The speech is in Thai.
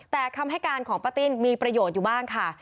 แต่คำให้การของป้าติ้นมีประโยชน์อยู่บ้างค่ะ